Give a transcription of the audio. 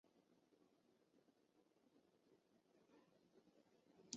第一张插图是以色列独立宣言的照片。